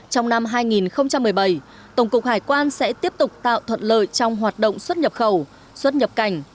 trong năm hai nghìn một mươi bảy tổng cục hải quan sẽ tiếp tục tạo thuận lợi trong hoạt động xuất nhập khẩu xuất nhập cảnh